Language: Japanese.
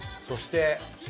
そして。